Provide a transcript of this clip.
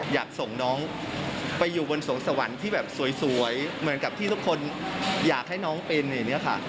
อยากส่งน้องไปอยู่บนสวงสวรรค์ที่แบบสวยเหมือนกับที่ทุกคนอยากให้น้องเป็นอย่างนี้ค่ะ